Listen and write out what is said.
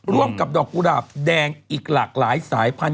ร่วมกับดอกกุหลาบแดงอีกหลากหลายสายพันธุ